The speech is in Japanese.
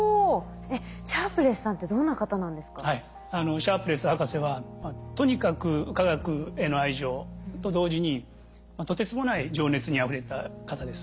シャープレス博士はとにかく化学への愛情と同時にとてつもない情熱にあふれた方です。